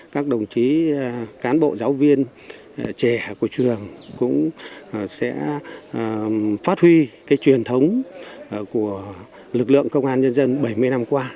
các đồng chí cán bộ giáo viên trẻ của trường cũng sẽ phát huy cái truyền thống của lực lượng công an nhân dân bảy mươi năm qua